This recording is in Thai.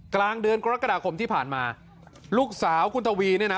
กลางเดือนกรกฎาคมที่ผ่านมาลูกสาวคุณทวีเนี่ยนะ